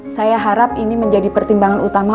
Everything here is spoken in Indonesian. saya harap ini menjadi pertimbangan utama